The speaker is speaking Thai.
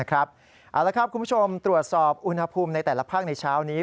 คุณผู้ชมตรวจสอบอุณหภูมิในแต่ละภาคในเช้านี้